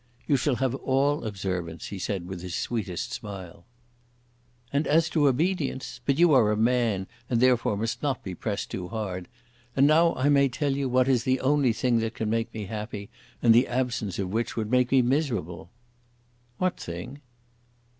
"You shall have all observance," he said with his sweetest smile. "And as to obedience? But you are a man, and therefore must not be pressed too hard. And now I may tell you what is the only thing that can make me happy, and the absence of which would make me miserable." "What thing?"